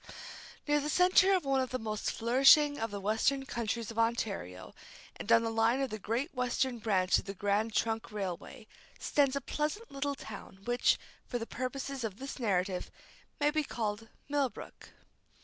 Near the centre of one of the most flourishing of the western counties of Ontario, and on the line of the Great Western branch of the Grand Trunk Railway, stands a pleasant little town, which, for the purposes of this narrative, may be called Millbrook.